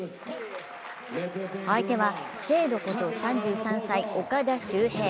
相手はシェードこと３３歳、岡田修平。